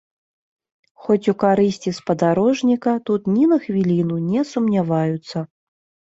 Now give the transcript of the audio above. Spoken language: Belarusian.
Хоць у карысці спадарожніка тут ні на хвіліну не сумняваюцца.